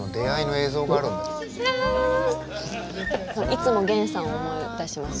いつも源さんを思い出します